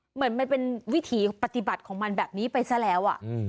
เหมือนมันเป็นวิถีปฏิบัติของมันแบบนี้ไปซะแล้ว